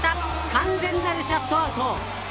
完全なるシャットアウト。